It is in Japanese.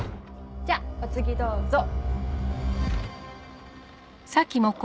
じゃあお次どうぞ。